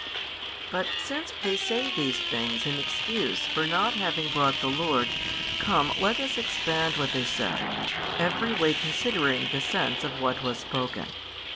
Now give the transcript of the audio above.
But since they say these things in excuse for not having brought the Lord, come let us expand what they said, every way considering the sense of what was spoken.